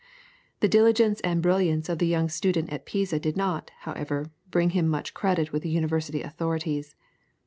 The diligence and brilliance of the young student at Pisa did not, however, bring him much credit with the University authorities.